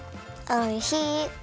おいしい！